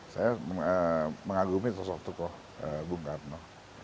saya mengagumi sosok tokoh bung karno